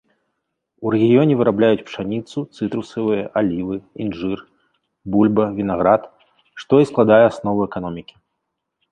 У рэгіёне вырабляюць пшаніцу, цытрусавыя, алівы, інжыр, бульба, вінаград, што і складае аснову эканомікі.